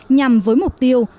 nhằm với mục tiêu